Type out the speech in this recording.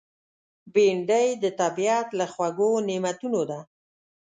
بېنډۍ د طبیعت له خوږو نعمتونو ده